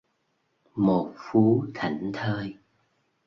Một phú thảnh thơi